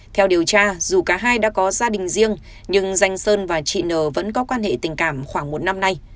theo điều tra dù cả hai đã có gia đình riêng nhưng danh sơn và chị nờ vẫn có quan hệ tình cảm khoảng một năm nay